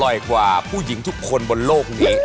กว่าผู้หญิงทุกคนบนโลกนี้